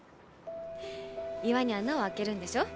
岩に穴を開けるんでしょ？